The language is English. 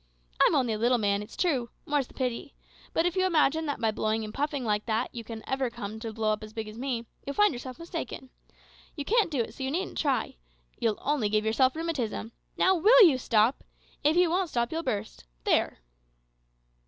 I'm only a little man, it's true more's the pity but if you imagine that by blowing and puffing like that you can ever come to blow up as big as me, you'll find yourself mistaken. You can't do it, so you needn't try. You'll only give yourself rheumatism. Now, will you stop? If you won't stop you'll burst there."